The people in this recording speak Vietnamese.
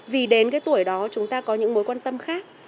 vì đến cái tuổi đó chúng ta có những mối quan tâm khác